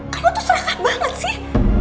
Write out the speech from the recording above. kamu tuh serangkat banget sih